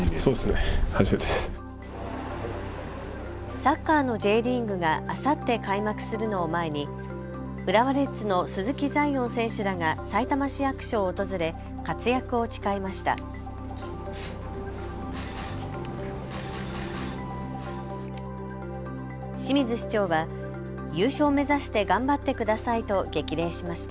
サッカーのＪリーグがあさって開幕するのを前に浦和レッズの鈴木彩艶選手らがさいたま市役所を訪れ活躍を誓いました。